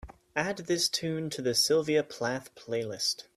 Add this tune to the sylvia plath playlist